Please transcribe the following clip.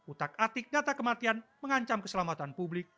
utak atik data kematian mengancam keselamatan publik